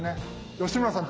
吉村さん